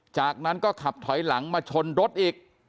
จากนั้นก็ขับถอยหลังมาชนรถอีก